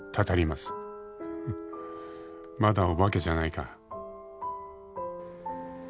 「まだお化けじゃないか」